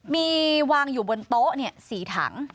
มีวางอยู่บนโต๊ะ๔ถัง